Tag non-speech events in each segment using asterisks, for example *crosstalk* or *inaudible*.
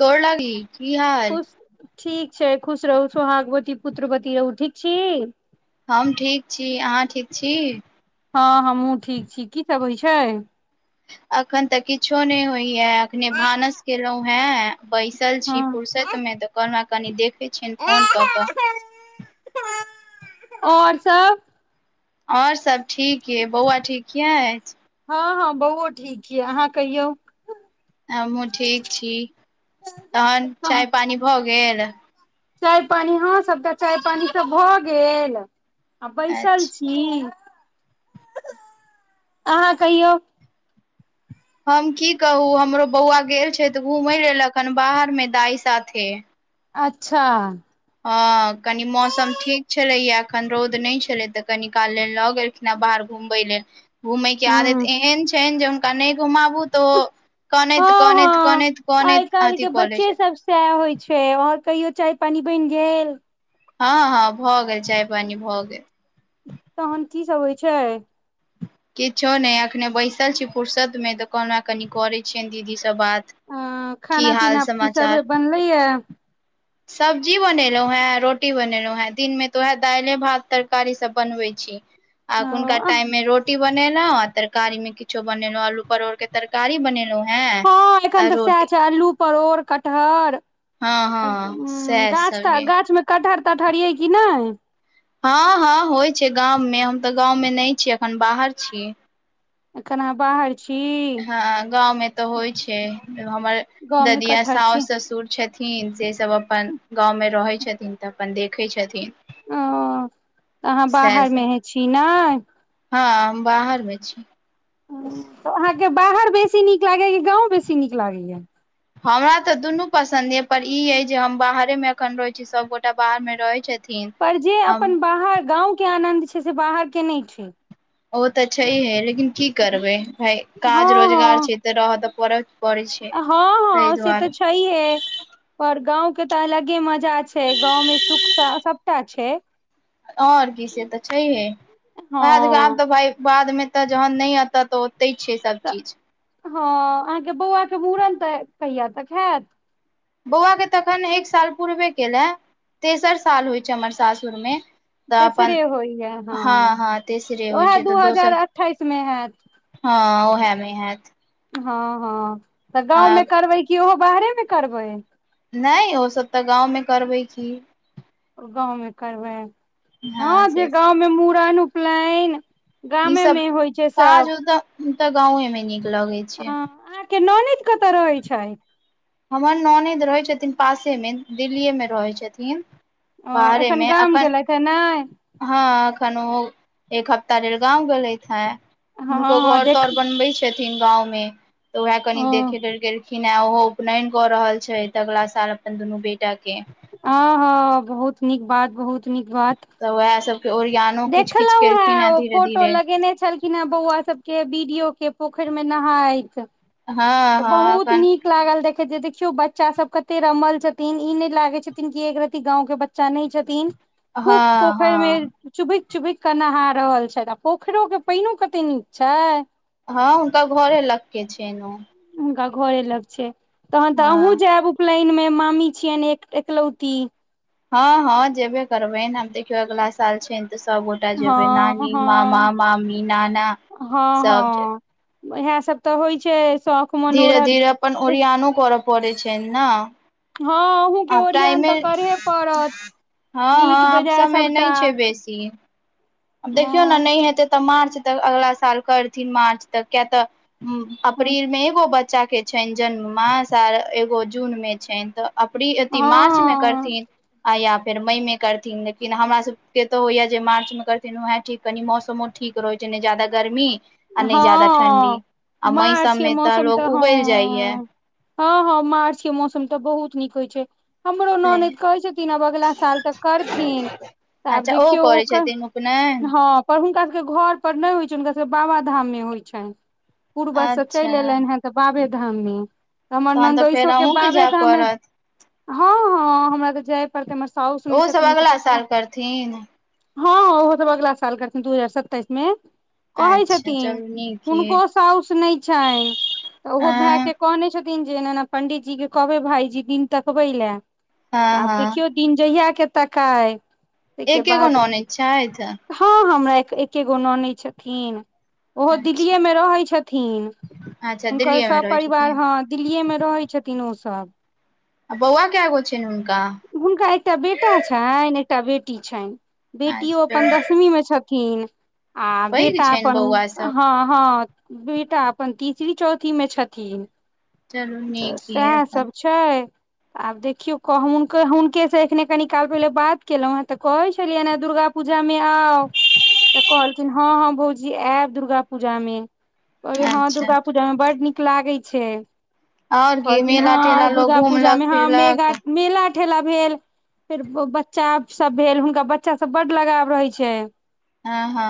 गोर लागी। की हाल खुश ठीक छैय खुश रहू सोहागवती पुत्रवती रहु। ठीक छी? हम ठीक छी अहाँ ठीक छी हँ हमहूँ ठीक छी की सब होइ छै अखन तऽ किछो नइ होइया अखने भानस केलहुँ हें बैसल छी हँ फुर्सत में तऽ कहलौं कनि देखैत छियनि फोन कऽ कऽ ओर सब आओर सब ठीक यइ बौआ ठीक य अइछ हँ हँ बौओ ठीक ये अहाँ कहियौ हमहूँ ठीक छी तहन चाय पानी भऽ गेल चाय पानी हॅं सब तऽ चाय पानी तऽ भए गेल आ बैसल अच्छा छी हं अहाँ कहियौ हम की कहू हमरो बौआ गेल छथि तऽ घूमय लेल ऐखन बाहर में दाइ साथे अच्छा हं कनी मौसम ठीक छलैया अखन रौद नइ छले तऽ कनी काल लेल लऽ गेल ना बाहर घुमे लेल घूमय के हूँ आदत एहन छनि जे हुनका नइ घुमाबु तऽ कनैत हँ कनैत हँ कनैत कनतन अथि कले छथिन चाय होइ छै आओर कहियो चाय पानी बइन गेल हँ हँ भऽ गेल चाय पानी भऽ गेल तहन की सब होइ छय किछो ने अ एखने बैसल छी फुरसत में कहलौहें कनि करे छियनि दीदी सब बात अ की खाना हाल पीना की सब समाचार बनले य सब्जी बनेलहुँ हें रोटी बनेलहुं हें दिन में तऽ उएह दाइल भात तरकारीसभ बनबैत छी आुनका ओ टाइम में रोड रोटी बनेलों आ तरकारी में किछो बनेलों आलू परोड़ के तरकारी बनेलों हँ एखन तऽ सएह छै अल्लू परोड़ कटहर हँ हँ सएह गाछ सब त ये गाछ में कटहर तटहर ये कि नहि हँ हँ होइ छै गाममें हम तऽ गाँवमे नहि छीयै अखन बाहर छी एना बाहा छी हँ गाँंव में तऽ होइ छै हमर गाँव मे ददिया कटहर छी सास ससुर छइथ न से सब अपन गाँवमे रहै छथिन तऽ अपन देखै छथिन ओ अहाँ सएह बाहर सब में हे छी ने हँ हम बाहर में छी तऽ अहाँके बाहर बेसी नीक लागैया कि गाँंव बेसी नीक लागैया हमरा तऽ दुनू पसन्द य पर ई यय जे हम बाहरे में अखन रहैत छी सबगोटा बाहर में रहैत छै पर जे अपन बाहर गाँंव के आनन्द छै से बाहर नइ छै ओ तऽ अच्छा हं लेकिन की हँ करबै भाय काज रोजगार हँ छै तऽ रहऽ तऽ पड़ पड़ै छै हँ ताहि हँ से तऽ दुआरे छै है परऔर गांव के तऽ अलगे मजा छै गांव में सुख सबटा छय आओर की से तऽ छैहे वएह देख आब हँ तऽ भाय बाद में तऽ जहन नहि औत तऽ तैं छै सब तऽ चीज हँ अहाँके बौआ के मुूड़न तऽ कहिया तक हैत बौआके तखन एक साल पूरबे कयेलए तेसर साल होइत छै हमर सासुरमे तऽ अपन तेसरे होइया हँ हँ त से होइ उएह छै दू तऽ हजार दोसर अठाइस मे हैत हँ ओहमेहत हँ हँ तऽ गाँवमे करबै कि ओहो बाहरे मऽ करबै नहि ओ सभ तऽ गाँवमे करबै की गाँवमे करबै हँ जे गाँवमे मुूड़न उपनयन ई सब गामेमे होइ छै काज सब तऽ गांे मे नीक लगै छै किया नॉनेद कतऽ रहैत छैथ हमर ननेद रहैत छथिन पासेमे दिल्लीएमे रहै छथिन ओ बाहरे एखन मे गाम अखन गेलेत हन नहि हँ एखन ओ एक हफ्ता लेल गाँव गेलेत है हँ हुनको हँ घर देख तर बनबैत छथिन गाँवमे तऽ उएह कनि ओ देखे कर कखिन ह ओहो उपनयन कऽ रहल छैथ तऽ अगलाा साल अपन दुनू बेटा के ह ह बहुत नीक बात बहुत तऽ ओएह सबके ओरयान देखलहु हैं ओ फोटो लगेने छलखिन बौआ सब के बीडो के पोखरि मे नहाइत हँ त हँ बहुत एखन नीक लागल देखैत देखियौ बच्चा सब कते रमल छथिन ई नहि लागे छथिन की एक रति गांव के बच्चा नै छथिन हँ खूब पोखरि हँ मऽ चुभकि चुभक केऽ नहा रहल छथि आ पोखरिो के पानो कते नीक छैय हँ हुनका घरे लग के छै नऽ हुनका घरे लग छै तहन तऽ अहुूँ हँ जायब उपनयन मे मामी छियनि एकलौती हँ हँ जेबे करबै आब देखियौ अगिला साल छै तऽ सबगोटा जेबै हँ नानी मामा हँ मामी नाना हँ सब जेतेय हँ इएह सब तऽ होइ छै शौक धीरे धीरे अपन ओरियानो करऽ पड़ै छैन नऽ हँ अहूँ के आब ओरियन तऽ टायमे करहे पड़त हँ हँ नीक आब बेजाय समय सबटा नहि छै बेसी आब देखियौ ने नहि हँ हेतै तऽ मार्च तक अगिला साल करथिन मार्च तक कियातऽ उ हँ अप्रील मे एगो बच्चा के छनि जन्म मास आर एगो जून मे छनि तऽ अप्र अथी मार्च मे हँ करथिन आ या फेर मई मे करथिन लेकिन हमर सभके तऽ होइया जे मार्च मऽ करथिन तनू है ठीक कहनी मौसमो ठीक रहो छै ने ज्यदा गर्मी आ नहि ज्यदा ठंडी हँ आ मई सब मार्च के में तऽ मौसम लोग हँ उबेल जाइये हँ हँ हँ मार्च के मौसम तऽ बहुत नीक होइ छै हमरो ननैद कहै छथिन आब अगलाा साल तऽ करथिन तऽ आब देखियौ ओकर नहि हँ पर हुनका सबके कऽ घर पर नहि होइ छनि हुनका सब के बाबा धाम में होइ छनि पूर्वज से चलि अच्छा एयलनि हे तऽ बाबे धाम मे हमर तहन नन्द तऽ फेर ओसो के अहूँके बाबे जाय धाममे पड़त हँ हँ हमरा तऽ जाय पड़तै हमर साउस नहि ओहो सब छथिन तऽ अगला सभटा साल करथिन हँ ओहो सब अगला साल करथि दू हजार सत्तइस मे कहै अच्छा छथिन चलू नीक यै हुनको साउस नहि छनि तऽ ओहो भाय हँ के कहने छथिन दिन जे पं्डित जी के कहबै भाायजी दिन तकबै लेय हँ आब हँ देखियौ दिन जहिया के ताकाय ताहिके एके गो बाद ननैद छथि हँ हमरा एके गो ननैद छथिन ओहो अच्छा दिल्लीए में रहे छथिन अच्छा हुनकर दिल्लीए मे सब रहै पररिवार छथिन हत दिल्लीए में रहै छथिन ओसब आ बौआ कय गो छैन हुनका हुनका एकटा बेटा छइन एकटा बेटी छइन अच्छा बेटियो चलू अपन दस मी मे छथिन आ पैघ बेटा छनि अपन बौआ सब हँ हँ बेटा हमर तीसरी चौथी में छथिन चलू नीक सेह यै अपन सब छै आब देखियौ क हुनके हुनकेसँ एखने कनि काल पहिने बात केलहुँ हेँ तऽ कहै छलियनि हेँ दुर्गा पूजा में आउ त कहलखिन हँ हँ भौजी एब दुर्गा पूजा में अरे हॅं अच्छा दुर्गा पूजा में बड्ड नीक लागइ छइ आओर की कहलखिन हँ मेला ठेला लोग दुर्गा पूजा घुमलक में हँ फिरलक मेगा मेला ठेला भेल फेर बच्चा सब भेल हुनका बच्चा सब बड लगाव रहय छै हँ हँ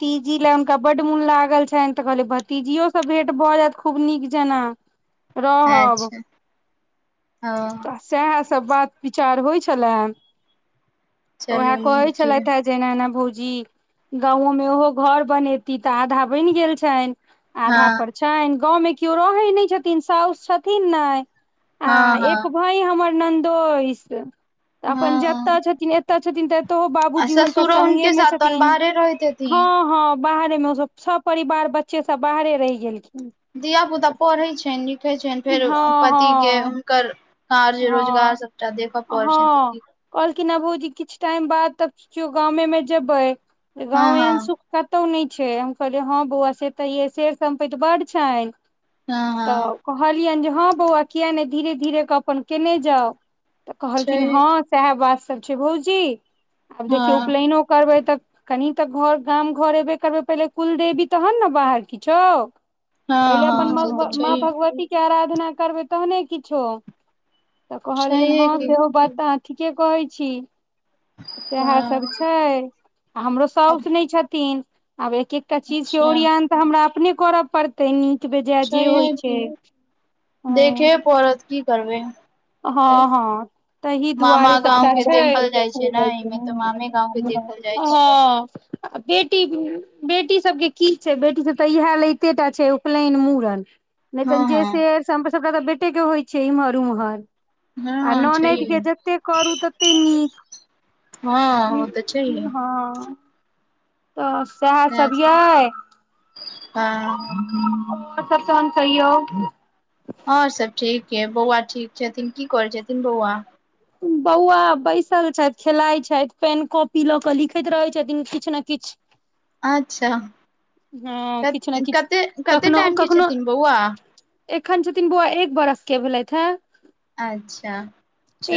तीजी लए हुनका बड्ड मोन लागल छइन तऽ कहलिय भतीजियो स भेंट भऽ जैत खूब नीक जेना रहब अच्छा ओ तऽ सएह सब बात विचार होइ छलै उएह चलू कहै नीक यै छलथि हे जेना एना एना भौजी गांवो में ओहो घर बनेती तऽ आधा बैन गेल छैन आधा हँ पर छयन गाँवमे किओ रहै नइ छथिन साउस छथिन ने आ हँ हँ एक भाईं हमर नन्दोइस अपन जतऽ हँ छथिन एतऽ छथिन तऽ तऽ आ बाबूजी हुनकर ससुरो संगे हुनके में साथ तहन छथिन बाहरे रहैत हँ हेथिन हँ बाहरे में ओ सब परिवार बच्चे सब बाहरे रहि गेलखिन धियापुता पढ़ै छइन लिखै छइन फेर हँ पतिके हँ हुनकर कार्य रोजगार हँ सबटा देख प छै हँ त कहलखिन हैं भबूजी किछ टाइम बाद तबचियो गां में जेबै गांव हँ एहन हँ सुख कतहु नइ छै हम कहलियै हँ बौआ से तऽ ई शेर सम्पति बड छइन हँ तऽ हँ कहलियनि जे हँ बौआ किया नइ धीरे धीरे कऽ अपन केने जाउ तऽ कहलखिन छैहे हँ की सएह बात सब छै भौजी आब देखियौ हँ उपनयनो करबै तऽ कनि तऽ घर गाम घर एबे करबै पहिले कुलदेवी तहन ने बाहर किछो हँ पहिले अपन हँ से तऽ माँ छैहे भगवती के आराधना करबै तहने किछो तऽ कहलियनि छैहे हँ की सेहो बता ठीके कहै छी सएह सब हँ छै आ हमरो साउस नइ छथिन आब एक एक एकटा चीज के अच्छा ओरियान तऽ हमरा अपने करऽ पड़त तऽ नीक बेजाय जे होइ छैहे छै की हं देखे पड़त की करबै हँ हँ तहि दुआरे मामा गाँंव सबटा के छै देखल जाइ छै ने एहिमे तऽ मामे गाँंव के हँ देखल जाइ छै आ बेटी बेटी सबके की छै बेटी सब तऽ इएह लइते टा छै उपनयन मूड़न नइ तऽ हँ जेस हँ सबटा तऽ बेटे के होइ छै एमहर उम्हर आ हँ ननैद छैहे के जते करू तते नीक हँ ओ तऽ छैहे हँ तऽ सएह सब ये हँ *inaudible* ओर सब ठीक ये बौआ ठीक छथिन की करै छथिन बौआ बौआ बैसल छइथ खेलाइ छइथ पेन कॉपी लऽ क लिखैत रहै छथिन किछ न किछ अच्छा हँ कत किछ न किछ कते कते कखनो टाइम के कखनो छथिन बौआ एखन छथिन बौआ एक बरस के भेलथि हेँ अच्छा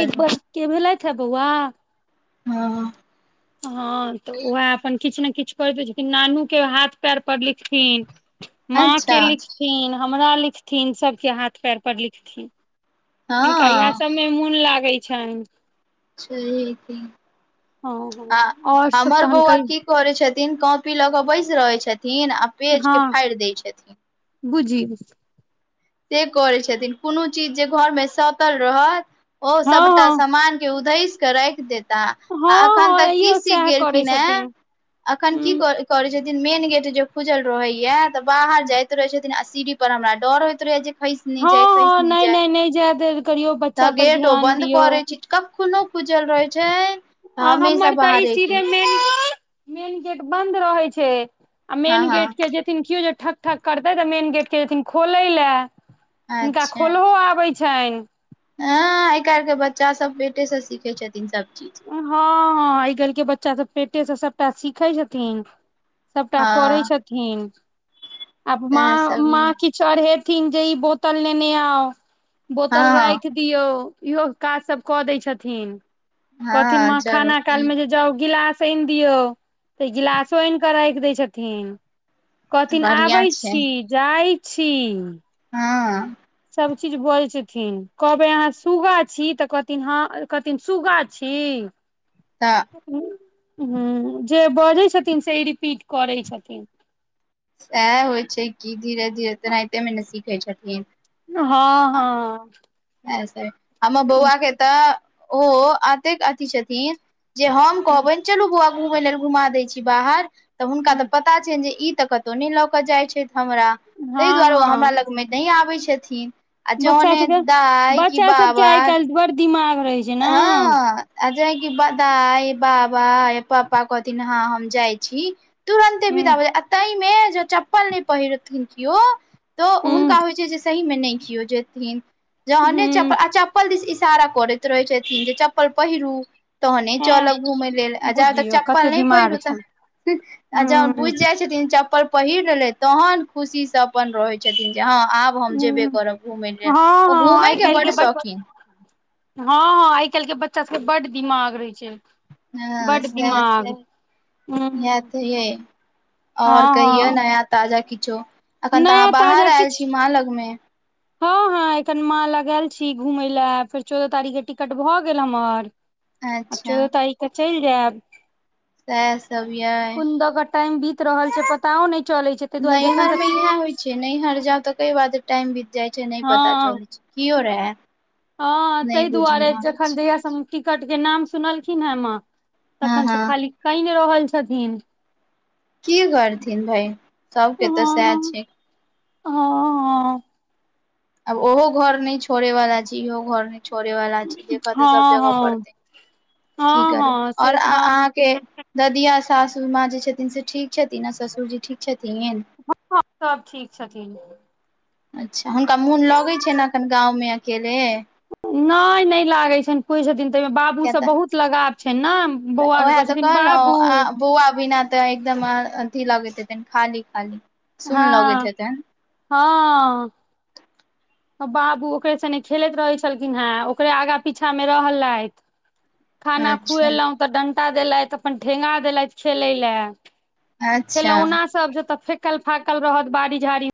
एक बरस के भेलाइथ ह बौआ हँ हँ तऽ उएह अपन किछ न किछ करैत छथिन नानू के हाथ पैर पर लिखथिन माँ अच्छा के लिख थिन हमरा लिखथिन सबके हाथ पैर पर लिखथिन हिनका इएह हँ सब मे मोन लागै छनिय छहिये कि हँ हँ आओर सब हमर तहन बौआकी कहियौ की करे छथिन कॉपी लऽ के बैस रहे छथिन आ पेज के फाड़ि दय छथिन बुझियो से करैत छथिन कोनो चीज जे घरमे साटल रहत ओ हँ सबटा हँ समान के उधैस कऽ राखि देत त आ हँ एखन तऽ हँ की इहो सीख सएह करै गेलखिन हे छथिन अखन की हूँ कर करे छथिन मेन गेट जो खुजल रहेया तऽ बाहर जायइत रहे छथिन आ सीढ़ी पर हमरा डर होयत खेस नेय जाय हँ हँ खइसनै नहि जाई नहि नहि जाय देल करियौ त बच्चा पर गेट ओ ध्यान बन्द करै दियौ छी कखनो खूजल रहै छै आ हमेशा हमर तऽ ई बाहरे के सीधे मेन गेट बन्द रहै छै आ हँ मेन हँ गेट केन केओ जेथिन ठक ठक करतै तऽ मेन गेट के देथिन खोले लए हुनका अच्छा खोलहो आबै छनिय हँ आय काल्हिके बच्चा सब पेटे सऽ सीखे छथिन सब चीज हँ हँ आइ काल्हि के बच्चा सब पेटे से सबटा सिखे छथिन सभटा हँ करै छथिन आब सएह माँ सब माँ य कि चढ़ेथिन जे ई बोतल लेने आउ बोतल हँ राखि दियौ इहो काज सब कऽ दै छथिन कहलथिन हँ माँ चलू खाना काल मे ठीक जे जाउ गिलास आयन दियऔ तऽ ई गिलासो आनि कऽ राखि दै छथिन तऽ कथिन आबै बढ़िआँ छै छी जाइ छी हँ सभ चीज बजै छथिन कहबै अहाँ सूगा छी तऽ कहथिन हँ कहथिन सूग्गा छी तऽ हू जे बजै छथिन से ई रिपीट करै छथिन सएह होइ छै कि धीरे धीरे तेनाहिते मे नऽ सीखै छथिन हँ हँ हमर बौआ के तऽ ओ अतेक अथी छथिन जे हम कहबनि चलू बौआ घुम लेल घुमा देय छी बाहर तऽ हुनका तऽ पता पता छनि जे ई तऽ कतौ नहि लऽ के जाइ छथि हमरा ताहि दुआरे हँ ओ हमरा हँ लग मे नहि आबै छथिन आ बच्चा जहने सबके दाइ कि बच्चा सबके आइ बाबा काल्हि बड़ दिमाग रहै छै नऽ हँ आ जे कि दाइ बाबा पापा कहथिन हँ हम जाइ छी तुरन्ते बिदा हूँ भ जायत तैमे जो चप्पल नहि पहिरथिन कियो तऽ हुनका हूँ होइत छै जे सही मे नहि खियो जेथिन जहने हूँ चप्पल चप्पल दिस इशारा करैत रहै छथिन जे चप्पल पहिरू तहने हँ चलब घूमय लेल आ जाब तक बुझियौ कते चप्पल नहि दिमाग पहीरु छनि आ जों उ हूँ बुझि जाइ छथिन चप्पल पहिर रहलै तहन खुशी से अपन रहै छथिन जे हँ आब हम जेबे हूँ करब घूम हँ लेल ओ हँ घूमे आइ के काल्हि बड बच्चा शौकीन हँ हँ आइ काल्हि के बच्चा सबके बड्ड दिमाग रहै छै हँ बड्ड सेहा दिमाग ई हूँ *unintelligible* ओर हँ कहियौ हँ नया ताजा किछो एखन तऽ अहाँ नया ताजा बाहर आयल किछ छी माँ लगमे हँ हँ एखन माँ लग छी घुमय लए फेर चौदह तारीख के टिकट भऽ गेल हमर आ अच्छा चौदह तारीख क चलि जायब सह सबविय कोन दऽ कऽ टाइम बीत रहल छै पताो नहि चलै छै ताहि दुआरे जखन सऽ नहिहर जाउ तऽ कई बाटे टाइम बीत जाइ छै नहि पता हँ चलै छै किओ रहैय हँ ताहि दुआरे जखन जहिया सब टिकट के नाम सुनलखिन ह माँ हँ तखन से हँ खाली कायनहि रहल छथिन की करथिन बहिन सबके हँ तऽ सएह छै हँ हँ आब ओहो घर न छोड़े वाला छै इहो घर न छोड़े वाला छै देखय तऽ सब हँ जगह हँ परतै कि हँ करबे हँ से और तऽ हँ अहाँके ददिया सासू सासु माँ जे छथिन से ठीक छथिन आओ ससुरजी ठीक छथिन हँ सब ठीक छथिन अच्छा हुनका मोन लगैत छन एखन गाँवमे अकेले नहि नहि लागैत छनि किछ दिन तऽहिमे बाबू किया सब तऽ बहुत लगाव छनि नऽ तऽ ओह तऽ कहलूआ बोआ बिना तऽ एकदम अथी लगैत हतय एकदम खाली खाली सुन लगैत हँ हेतनि हँ बाबू ओकरे सने खेलैत रहै छलखिन हेँ ओकरे आगा पीछा मऽ रहलथि खाना अच्छा खुएलहुँ तऽ डंटा देलथि अपन ठेंगा देलथि खेलय लए अच्छा खेलौना सब जेतऽ फेकल फाकल रहत बाड़ी झाड़ी